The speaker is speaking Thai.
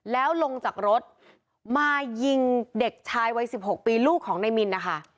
แล้วลงจากรถมายิงเด็กชายวัย๑๖ปีลูกของนายมินนะคะ